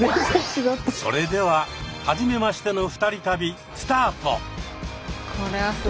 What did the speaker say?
それでははじめましての２人旅スタート！